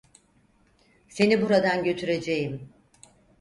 Seni buradan götüreceğim.